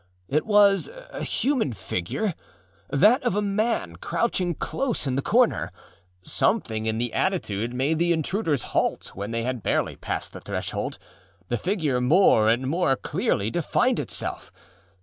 It was a human figureâthat of a man crouching close in the corner. Something in the attitude made the intruders halt when they had barely passed the threshold. The figure more and more clearly defined itself.